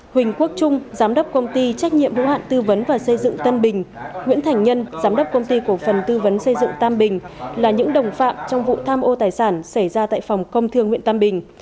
huỳnh quốc trung giám đốc công ty trách nhiệm hữu hạn tư vấn và xây dựng tân bình nguyễn thành nhân giám đốc công ty cổ phần tư vấn xây dựng tam bình là những đồng phạm trong vụ tham ô tài sản xảy ra tại phòng công thương huyện tam bình